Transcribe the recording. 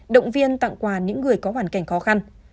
động viên tặng quà những người có hoàn cảnh khó khăn